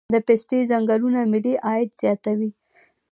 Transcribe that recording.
د پستې ځنګلونه ملي عاید زیاتوي